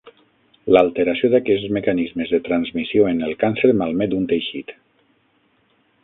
L'alteració d'aquests mecanismes de transmissió en el càncer malmet un teixit.